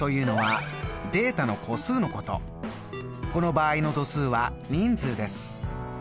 この場合の度数は人数です。